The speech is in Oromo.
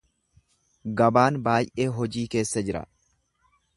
Gabaan baay’ee hojii keessa jira.